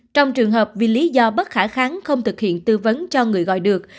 trong trường hợp vì lý do bất khả kháng không thực hiện tư vấn cho người gọi được